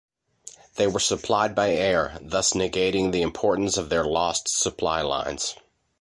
They were supplied by air, thus negating the importance of their lost supply lines.